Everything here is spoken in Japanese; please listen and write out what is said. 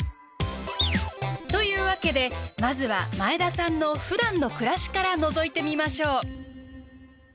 というわけでまずは前田さんのふだんの暮らしからのぞいてみましょう。